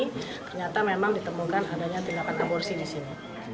ternyata memang ditemukan adanya tindakan aborsi di sini